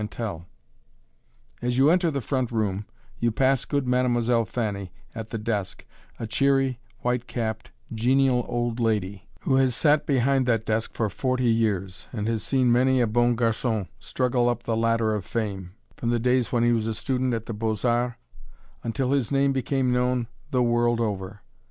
[Illustration: MADEMOISELLE FANNY AND HER STAFF] As you enter the front room, you pass good Mademoiselle Fanny at the desk, a cheery, white capped, genial old lady, who has sat behind that desk for forty years, and has seen many a "bon garçon" struggle up the ladder of fame from the days when he was a student at the Beaux Arts, until his name became known the world over.